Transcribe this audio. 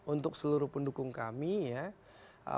untuk seluruh pendukung kami ya